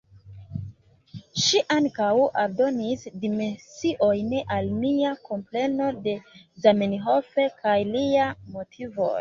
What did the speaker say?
Ŝi ankaŭ aldonis dimensiojn al mia kompreno de Zamenhof kaj liaj motivoj.